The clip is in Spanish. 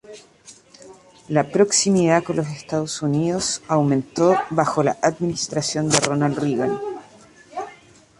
La proximidad con los Estados Unidos aumentó bajo la administración de Ronald Reagan.